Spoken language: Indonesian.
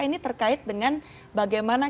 ini terkait dengan bagaimana